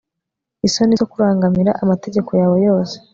isoni zo kurangamira amategeko yawe yose